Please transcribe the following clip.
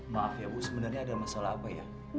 maaf ya bu sebenarnya ada masalah apa ya